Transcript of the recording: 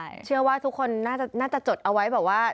ใช่เชื่อว่าทุกคนน่าจะจดเอาไว้บอกว่า